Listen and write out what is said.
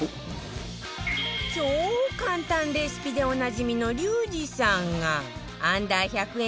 超簡単レシピでおなじみのリュウジさんが Ｕ−１００ 円